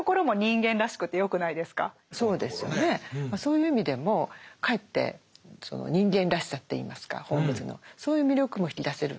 そういう意味でもかえってその人間らしさっていいますかホームズのそういう魅力も引き出せる。